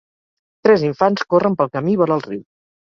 Tres infants corren pel camí vora el riu.